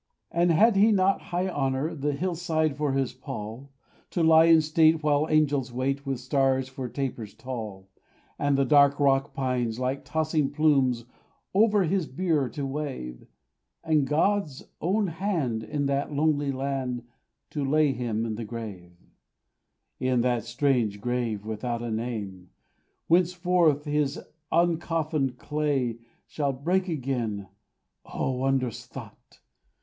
And had he not high honour, The hillside for his pall; To lie in state, while angels wait, With stars for tapers tall; And the dark rock pines, like tossing plumes, Over his bier to wave; And God's own hand, in that lonely land, To lay him in the grave; In that strange grave, without a name, Whence his uncoffined clay Shall break again O wondrous thought!